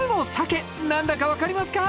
何だか分かりますか？